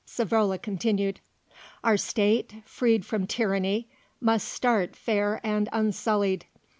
Savrola continued. "Our State, freed from tyranny, must start fair and unsullied.